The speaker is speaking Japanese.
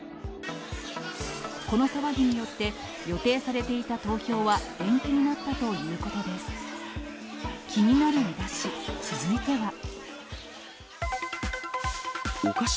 この騒ぎによって、予定されていた投票は延期になったということです。